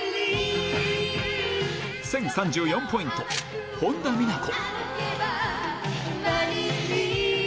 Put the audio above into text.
１０３４ポイント、本田美奈子。